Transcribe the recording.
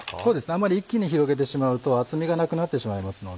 あんまり一気に広げてしまうと厚みがなくなってしまいますので。